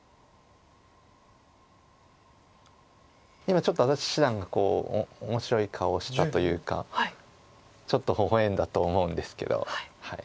今ちょっと安達七段が面白い顔をしたというかちょっとほほ笑んだと思うんですけど。